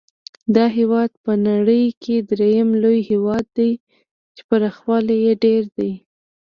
دا هېواد په نړۍ کې درېم لوی هېواد دی چې پراخوالی یې ډېر دی.